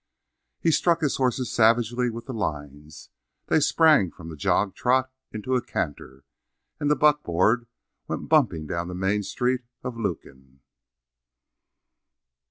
He struck his horses savagely with the lines; they sprang from the jog trot into a canter, and the buckboard went bumping down the main street of Lukin.